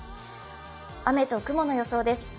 雨と雲の予想です。